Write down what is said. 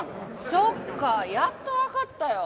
そっかやっとわかったよ。